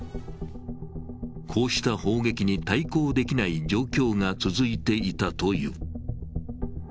こうした砲撃に対抗できない状況が続いていたという。